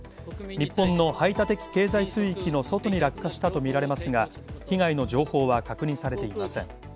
日本の排他的経済水域の外に落下したと見られますが、被害の情報は確認されていません。